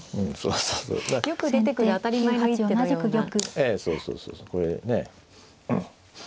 ええそうそうそうそうこれね。